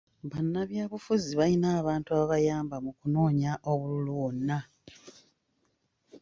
Bannabyabufuzi balina abantu ababayamba mu kunoonya obululu wonna.